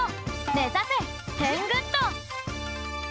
めざせテングッド！